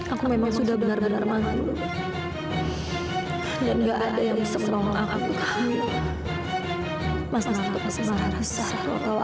aku memang sudah bener bener mampu